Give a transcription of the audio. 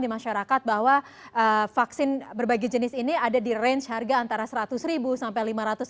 di masyarakat bahwa vaksin berbagai jenis ini ada di range harga antara seratus sampai lima ratus